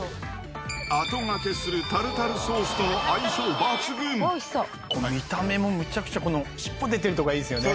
あとがけするタルタルソースとのこの見た目も、めちゃくちゃ、この尻尾出てるところがいいですよね。